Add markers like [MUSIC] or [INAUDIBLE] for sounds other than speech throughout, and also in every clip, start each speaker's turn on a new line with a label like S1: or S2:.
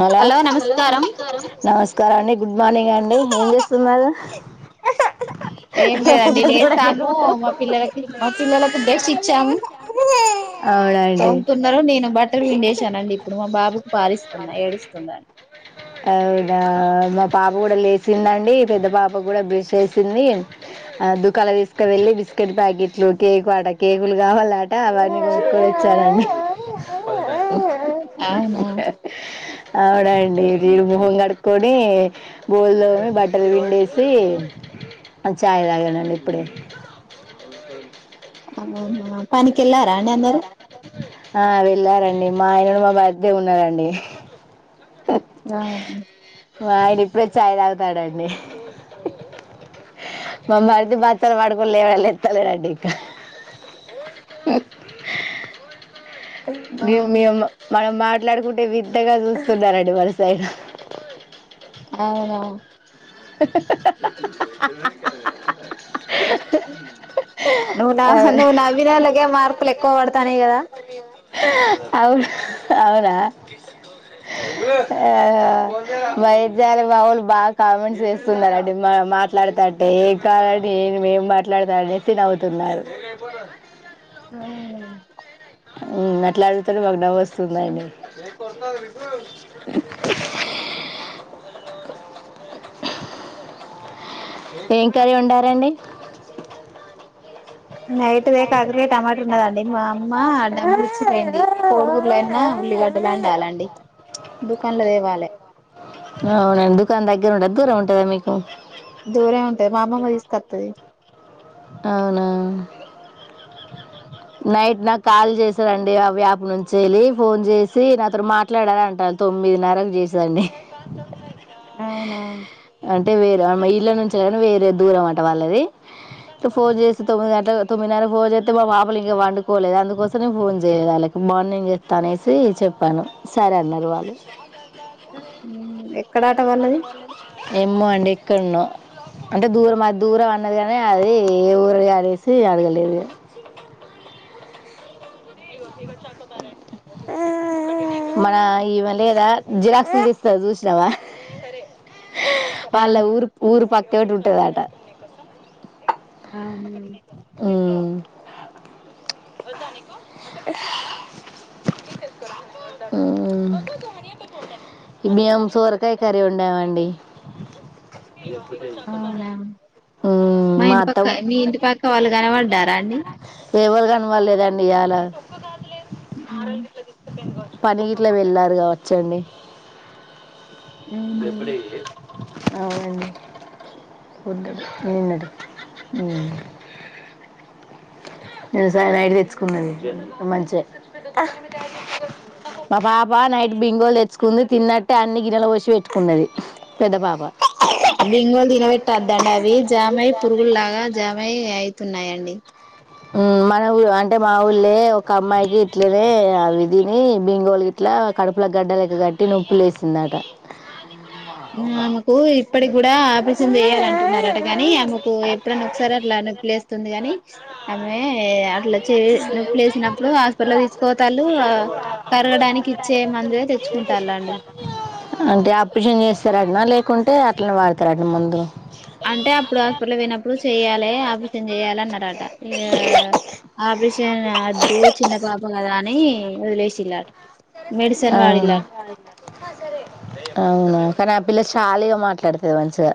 S1: Hello hello నమస్కారం నమస్క కరానిద్ గుడ్ మార్నింగ్ అండి ఏం చేస్తున్నారు
S2: ఏం లేదండి లేసాము మా పిల్లలకి మా పిల్లలకు బ్రష్ ఇచ్చాము బటల్ పిండేసానండి. ఇప్పుడు మా బాబుకి పాలిస్తున్నా ఏడుస్తున్నా
S1: ఆ ఇగ మా పాప కూడా లేచిందండి పెద్ద పాప కూడా బ్రష్ ఏసింది ఆ దుకాణలకి తీసుకువెళ్లి బిస్కెట్ ప్లాకెట్లు కేక్ అడ కేకులు. కావాలట అవన్నీ కనుక్కొని వచ్చానండి.
S2: అవునా
S1: ఒకే అవునండి జిడ్ మొహం కడుకొని బోల్ తోమి బట్టల్ పిండేసి చాయ్ తాగినాన్నండి ఇప్పుడే
S2: అవునా పనిక్ కేళ్లారా అండ్ అందరూ
S1: ఆ వెళ్ళారండి మా ఆయన మా మరిది ఉన్నారండి
S2: అవును
S1: మాయన ఇప్పుడే ఛాయ్ తాగుతాండండి మా మరిది బతలు పడుకుని లేవ లేస్త లేడు ఇంకా
S2: ఆ
S1: లీవ్ మీ అమ్మా మనం మాట్లాడుకుంటే విన్ వింతగా చూస్తున్నారండి మన సైడ్
S2: అవునా నువ్ నః నువ్వు నవ్వినొలకే మార్కులు ఎక్కువ పడతాన్నాయి కదా.
S1: అవ్ అవునా ఆ బైట్ జాల్ మావోల్లు బాగ్ ఖాల్ చేస్తున్నరండి మా మాట్ మాట్లాడతంటే ఏం కాలాండి ఏ మేం మాట్లాడతానేసి నవుతున్నారు.
S2: ఆహా
S1: హ్మ్ మాట్లాడుతున్నా మాక్ నవ్వొస్త్ స్తుందండి ఏం కర్రీ వండారండి
S2: నైట్ దే కాకరికాయ టమాట ఉన్నదండి మా [UNINTELLIGIBLE] కోడిగుడ్లయినా ఉల్లిగడ్డలుండాలండి దుకాన్లో తేవాలే
S1: అవునా దుకాణం దగ్గర ఉండదు దూరం ఉంటదా మీకు
S2: దూరే ఉంటది మా అమ్మమ్మ తీసుకొత్తది
S1: అవునా నైట్ నాకు కాల్ చేశారండి ఆ వ్యాప్ నుంచి వెళ్ళి ఫోన్ చేసి నాతోని మాట్లాడాలంటాను తొమ్మిదిన్నరకు చేశారండి
S2: అవునా
S1: అంటే వేరే ఆమెయి ఇంట్లో నుంచినీ వేరే దూరం అంట వాళ్ళది ఫోన్ చేసి తొమ్మిది గంటలు తొమ్మిదిన్నర కి ఫోన్ చేస్తే మా పాపలు ఇంకా పండుకోలేదు అందుకోసమే ఫోన్ చేయలేదు వాళ్ళకి మార్నింగ్ చేస్తా అనేసి చెప్పాను సరే అన్నారు వాళ్ళు
S2: ఎక్కడా
S1: ఏమో పో అండి ఇక్కడన అంటే దూరం అ దూరం అన్నది కానీ అది ఏ ఊరి అనేసి అడగలేదు మన ఈమె లేదా జిరాక్సులు తీసుకురా చూసి రవ హ
S2: ఆ
S1: వాళ్ళ ఊరు ఊరు పక్క తోడు ఉంటదట
S2: అవ్నా
S1: హ్మ్ తెస్తాను హ్మ్ మేం సోరకాయ కర్రీ వండాం అండి
S2: అవునా
S1: ఉమ్
S2: మా ఇంటి పక్క
S1: అత్తం
S2: మీ ఇంటి పక్కనా వాళ్ళు కనపడ్డారా అండి
S1: ఎవరు కనపడ్లేదండి ఇయ్యాల
S2: మ్
S1: పనికిట్లో వెళ్ళారుగా వచ్చండి
S2: అవును
S1: ఎప్పుడి అవునండి వుంటాడి నిన్నడు నడు నిసా తెుకున్నది మంచిగా ఆ మా పాప నైట్ బింగోల్ లే తెచ్చుకుంది తిన్నట్టే అన్ని గిన్నెల పోసి పెట్టుకున్నది పెద్ద పాప
S2: బింగోలు తినబెట్టద్దండి అవి జామయ పురుగులు లాగా జామయ అయితున్నాయిండి
S1: మన ఊ అంటే మా ఊళ్ళ ఒక అమ్మాయికి ఇట్లనే అవి తిని బింగోలు ఇట్లా కడుపుల గడ్డ లెక్క కట్టి నొప్పులే వేసిందట
S2: ఆమెకు ఇప్పటికి కూడా ఆపరేషన్ చేయాలంటున్నారట కాని ఆమెకు ఎప్పుడన్నా ఒకసారి అట్లా నొప్పిలే వేస్తుంది గాని అమెే అట్లా చే నొప్పు లేసినప్పుడు హాస్పిటల్ తీసుకోతాలు కరగడానికి ఇచ్చే మందుే తెచ్చుకుంటారు అండి
S1: ర అడ్నా లేకుంటే అట్లనే వాడుతారు అడిన ముందు
S2: అంటే అప్పుడు హాస్పిటల్ పోయినప్పుడు చెయ్యాలి ఆపరేషన్ చెయాలి అన్నారట ఆపరేషన్ అద్దు చిన్న పాప కదా అని వదిలేసిందట
S1: అవు అవునా కానీ ఆ పిల్ల చాలీగా మాట్లాడుతుంది మంచిగా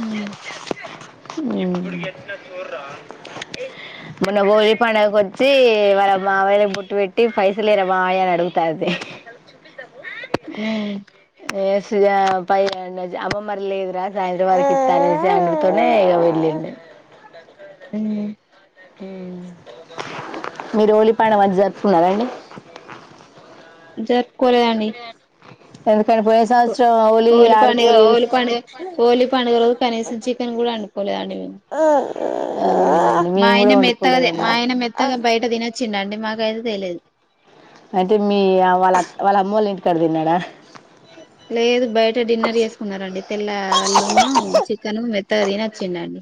S2: హ
S1: మొన్న బోగి పండగ కి కొచ్చి వాళ్ళ మావల బట్ వెట్ టి ఫైసలే రవా అడుగుతద
S2: ఉ
S1: ప అమ్మ మర లేదురా సాయంత్రం వారికి ఇస్తా అనేసి అన్నతోనే ఇక వెళ్ళడి
S2: ఉ
S1: హ మీరు ఓలిపాన మధ్య జరుపుకున్నారాండి
S2: జరుపుకోలేదండి
S1: ఎందుకంటే పోయిన సంవత్సరం హోలీ
S2: ఓలి పండుగ
S1: ఆడుకోడి
S2: ఓలి పండుగ ఓలి పండుగదు కనీసం చికెన్ కూడా అండి ప అ
S1: ఆ
S2: మా
S1: మేము
S2: ఆయన
S1: కూడా
S2: మెత్తగా
S1: వండుకోలేదండి
S2: మా ఆయన మెత్తగా బయట తినొచ్చిండండి మాకైతే తెలేదు
S1: అంటే మీ వాళ్ళ వాళ్ళ అమ్మోళ్లు ఏంటి కడదిన్నాడా
S2: లేదు బయట డిన్నర్ వసుకున్నారండి తెల్ల అల్లున్న చికెను మెత్తగా తని వచ్చిన్నాడు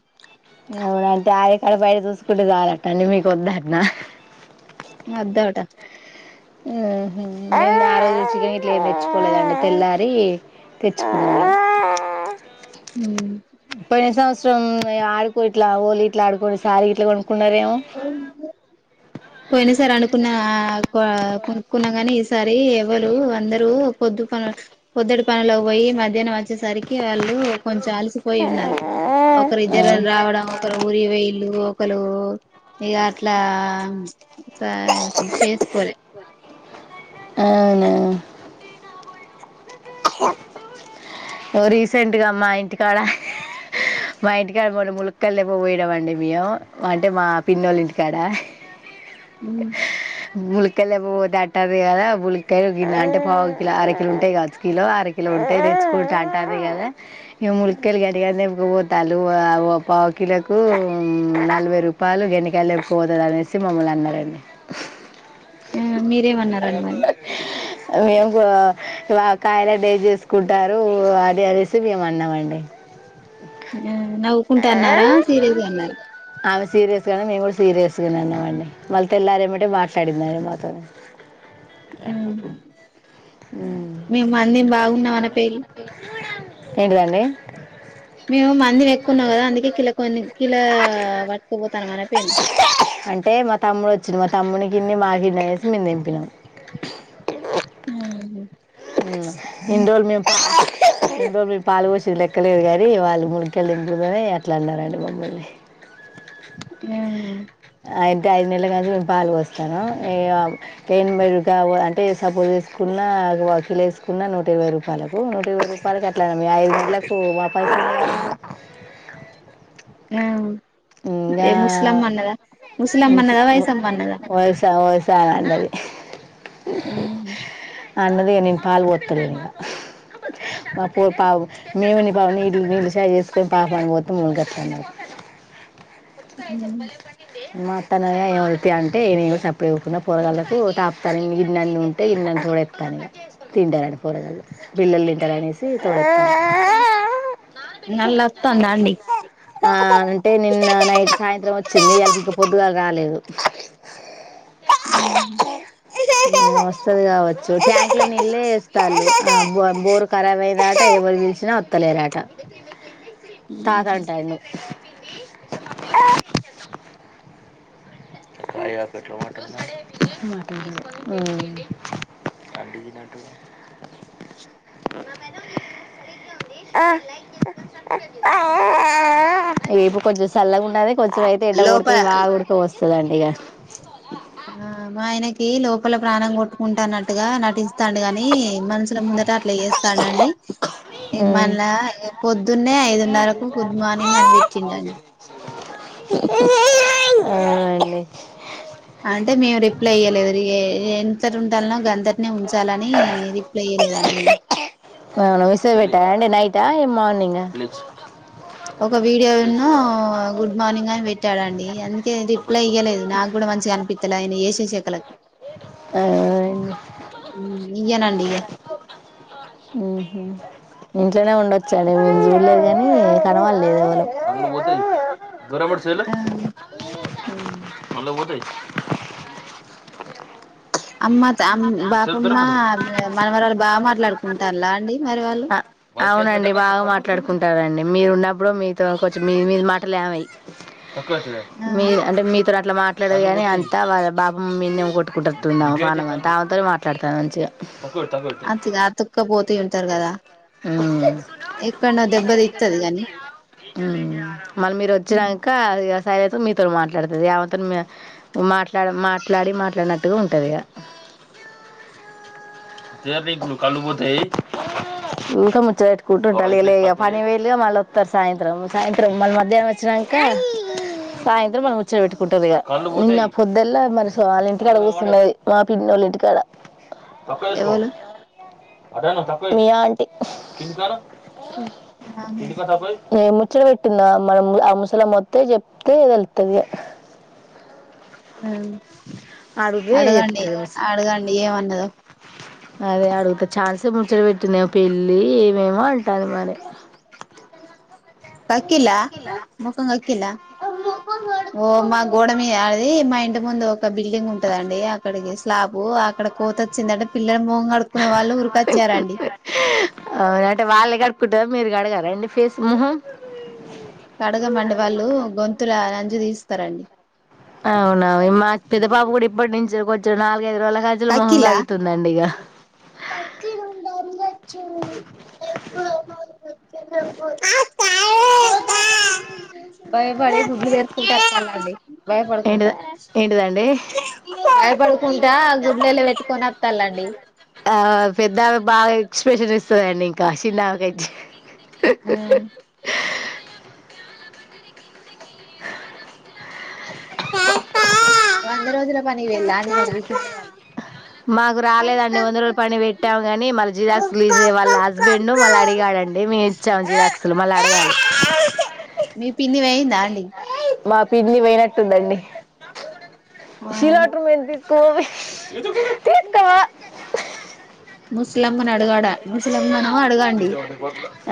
S1: కడ బయట చూసుకుంటే చాలట్ట అండి మీకు వద్దన్న
S2: అద్ద అట
S1: మే ఆ రోజు చికెన్ ఇట్లా తెచ్చుకోలేదండి తెల్లారి తెచ్చుకునం పోయిన సంవత్సరం సొమ్ ఈ ఆడుకో ఇట్లా ఓళ ఇట్లా ఆడుకోని సారి ఇట్లా కొ
S2: పోయినా సారి అనుకున్నా కున్న కాని ఈసారి ది ఎవరు అందరు పొద్దు పనులు పోద్దుటి పనులు పోయి మధ్యాహ్నం వచ్చేసరికి వాళ్ళు కొ చాల్సిపోయి ఉన్నారు ఒకరి
S1: ఆ,
S2: ఇద్దరని రావడం ఒకరు ఊరి వేలు హలో ఇగా అట్లా సాయి చేసుకోలే
S1: అవునా రీసెంట్గా మా ఇంటికాడ మా ఇంటికాడ మూడ ములుక్కల్ళపు పోయనా మండి మేము అంటే మా పిన్నోళ్ళ ఇంటికాడ
S2: ఉ
S1: బులికాయలు ఏమో పోతట్టది కదా బులికాయలు అంటే పావు కిలో అరకిలు ఉంటాయి కావచ్చు కిలో అర కిలో ఉంటాయి తెచ్చుకుంటాంటది కదా ఈ ములక్కాయలు గట్టిగాది ఇప్పుడు తలు ఆవు పావు కిలోకు నలభై రూపాయలు గెండెకాయలు ఎ పోతుంది అనేసి మమ్మల్ని అన్నారండి
S2: మీరేమన్నారండి మరి
S1: స ఆ మేము మా కాయలన్నీ ఏం చేసుకుంటారు అది అనేసి మేము అన్నామండి
S2: ఆ నవ్వుకుంట అన్నారా సీరియస్ గా అన్నారా?
S1: సీరియస్గానే మేము కూడా సీరియస్గానే అన్నామండి మళ్ళీ తెల్లారేమిటే మాట్లాడింది ఆమాతోని ఉ
S2: మేము మందిం బాగున్నా మన పేల్
S1: ఏంటిదండి
S2: మేము మందిని ఎక్కువున్నా కదా అందుకే కిలా కొన్ని కిలా పట్టుకుపోతాను అని అనకపోయిరి
S1: తమ్ముని కిన్ని మాకిన్ని వేసి మేము దింపినాం
S2: ఉ హు
S1: ఉ ఇన్ని రోజులు మేము ఇన్ని రోజులు మేము పాలు పోసింది లెక్కలేదు కానీ వాళ్ళు గుడికెళ్ళింది కదా అట్లా అన్నారండి మమ్మల్ని
S2: ఏమి
S1: అంటే ఐదు నెలలు దాకా మేము పాలు పోస్తారా ఈ ఆవు ఏన్ మ కావు అంటే సపోజ్ తీసుకున్న అవి లేసుకున్న నూట ఇరవై రూపాయలకు నూట ఇరవై రూపాయలకు అట్ల మీ ఐదు గంటలకు మా పై
S2: ఆ ఏ ముస్లమ్మ అన్నద ముస్లమ్మ అన్నద వైసమ్మ అన్నద
S1: ఆమె ఓసారి అన్నది
S2: ఉ హు
S1: అన్నదిగా నేను పాలు పోత్తలేదు ఇంగ పో పావు మేముని పావు నీళ్లు నీళ్ళ చయ్ చేసుకొని పాపని పోతావు ఉ గట్లనింది పుచ్చకాయ ఐతే బలే పండిందే మా అత్తన ఏమవుత అంటే సప్పుడు లేకుంట పోరగాళ్లకు తాపుతాను ఇన్ని అన్ని ఉంటే ఇన్నన్ని కూడా ఎస్తాను తింటారు పోరగాలు పిల్లలు తింటారనేసి తోడేత్తాను
S2: నలంత్త దాడి
S1: ఆ అంటే నిన్న నైట్ సాయంత్రం వచ్చింది ఇయాల పొద్దు పొద్దుగాళ రాలేదు వస్తుది కావచ్చు ట్యాంక్ లో నీళ్ళ వేస్తారు బోరు కరాబ్ అయింది అంటే ఎవరు గెలిచినా తలరాట తాత అంటాడి మమ్మి అయ్యద్ గట్ల మాట్లాడ్తన్నావ్ రేపు కొంచెం సెల్లగా ఉండది కొంచం అయితే ఏండ
S2: లోపల
S1: కొడుతది బాగా ఉడుక పోస్తంది చుడండిగా
S2: ఆ మా ఆయనకి లోపల ప్రాణం కొట్టుకుంటున్నట్టుగా నటి ఇస్తాండు గాని మనసుల ముందట అట్లా చేస్తాండండి ఈ
S1: ఉమ్
S2: మళ పొద్దున్నే ఐదున్నరకు గుడ్ మార్నింగ్ అనిపించిందండి
S1: అ
S2: అంటే మేము రిప్లై ఇయ్యలేదు ఎ ఎంతటి ఉంటాలనో గంతటినే ఉంచాలని రిప్లై ఇయ్యలేదండి మేము
S1: అ నమస్తే పేట్టర అండి నైటా మార్నింగ్
S2: ఒక వీడియోను గుడ్ మార్నింగ్ అని పెట్టాడండి అందు నేన్ రిప్లై ఇయ్యలేదు నాకు కూడా మంచిగానిపిస్తలే ఆయన చేసిం నీ షకలక్
S1: అ
S2: ఇయ్య నండిగా
S1: ఉహు ఇంట్లోనే ఉండచ్చు సరే మీరు చూడలేదు కానీ కనవాలేదు ఎవలు హ
S2: ఆ
S1: మల్ల పోతై
S2: అమ్మ అం బాపమ్మ మనరళ్లు బాగా మాట్లాడుకుంటారులా అండి మరి వాళ్ళు
S1: అవునండి బాగా మాట్లాడుకుంటారండి మీరు ఉన్నప్పుడు మీతో కూంచెం మీ మీది మాటలు ఏమై
S2: ఆ
S1: మీ అంటే మీ త అట్లా మాట్లాడే కానీ అంతా బాబమ్మమీదనే కొట్టుకుంటుఉంటదేమో ప్రణామంతా అమెతోనే మాట్లాడుతాది మంచిగా
S2: అతి అతుక్కపోతూ ఉంటారు కదా
S1: ఉ
S2: ఎక్కడనో దెబ్బతిత్తది కాని
S1: మరి మీరు వచ్చినంక ఇక సై ఐతే మీతో మాట్లాడుతది ఆమెతోటి మాట్లాడి మాట్లాడి మాట్లాడినట్టుగా ఉంటది ఇఊకా ముచ్చబెట్టుకుంటు ఉంటాల ఎ పని వేలుగా మళ్ళ వస్తారు సాయంత్రం సాయంత్రం మళ్ళీ మధ్యాహ్నం వచ్చినాక సాయంత్రం మన ముచ్చో పెెట్టుకుంటుారు ఇ ఇన్న పొద్దులా మరి వాళ్ళ ఇంటికాడ కూర్స్తున్నది మా పిండి వాళ్ళ ఇంటికాడ తొక్క ఎసుకో
S2: ఎవలు
S1: మివల్ క [UNINTELLIGIBLE]
S2: ఆహా
S1: [UNINTELLIGIBLE] ఎమ్ ఇచ్చడ పెట్టిందా మనం ఆ ముసల మత్త చెప్తేది వెళ్తుంది
S2: అడగండి
S1: చెప్తుంది మస్
S2: అడగండి ఏమన్నద
S1: అదే అడుగుతే చఛాన్సే ముచ బట్ పట్నే పెళ్లి ఏమేమో తది మరి
S2: కకిలా ముఖం కకిలా ఓ మొఖం కడుక ఓ మా గోడ మీదడిది మా ఇంటి ముందు పాబ్ బిల్డింగ్ ఉంటదండి అక్కడికి స్లాబు అక్కడ కోతి వచ్చిందంట పిల్లలక్
S1: అవునా అంటే వాళ్ళే కడుగుకుంటారా మీరు కడగర అండి ఫేస్ మోహం
S2: కడగమండి వాళ్ళు గొంతుల అంజి తీస్ సరండి
S1: అవునవు మాకు పెద్ద పాప కూడా ఇప్ ప్పటి నుంచి కొంచెం నాలు
S2: తకిల్లా భయపడి గుడ్లు తెరుచుకుంటా వత్తండండి
S1: ఏంటి
S2: భయపడుకుంటార
S1: ఏంటిదండి
S2: భయపడు కుంటా దుబ్దెలు పెట్టుకొని వత్తల్లండి
S1: ఆ పెద్దామె బాగా ఎక్స్ప్రెషన్ ఇస్తాదండి ఇంకా చిన్నామికి అయితే హహ్హహ్
S2: వంద రోజుల పనికి వెళ్ళాను అండి [UNINTELLIGIBLE]
S1: మాకు రాలేదండి వంద రోజుల పని పెట్టాము కానీ మళ్ళీ జిరాక్సులు తీసే వాళ్ళ హస్బెండ్ మళ్ళీ అడిగాడండి మేము ఇచ్చాం జిరాక్సులు మళ్ళా అడగాలి
S2: మీ పిన్ని వేయిందా అండి
S1: మా పిన్ని పోయినట్టుందండి
S2: ఆ
S1: శిలట్టును ఏంతీస్ పోవే
S2: ముస్లమ్మను అడగాడా ముస్లమ్మను అడగండి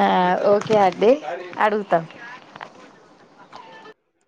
S1: ఆ ఓకే అండి అడుగుతాం